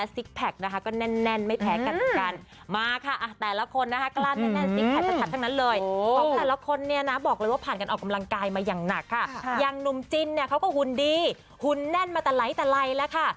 ส่วนหนุ่มจิ้นเขาก็หุ่นดีหุ่นแน่นมาแต่ไล่แล้วค่ะ